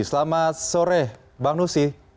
selamat sore bang nusi